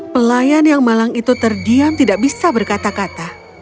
pelayan yang malang itu terdiam tidak bisa berkata kata